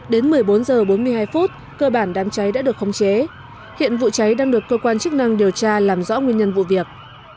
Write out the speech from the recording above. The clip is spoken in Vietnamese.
đến một mươi bốn h bốn mươi hai phút cơ bản đám cháy đã được khống chế hiện vụ cháy đang được cơ quan chức năng điều tra làm rõ nguyên nhân vụ việc